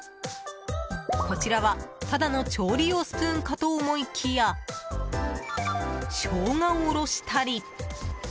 こちらは、ただの調理用スプーンかと思いきやショウガをおろしたり。